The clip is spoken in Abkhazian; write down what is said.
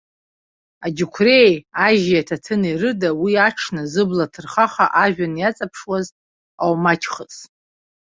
Аџьықәреии, ажьи, аҭаҭыни рыда уи аҽны зыбла ҭырхаха ажәҩан иаҵаԥшуаз аумаҷхыз.